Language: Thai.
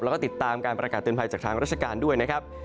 แล้วก็ติดตามการประกาศเตือนภัยจากทางราชการด้วยนะครับ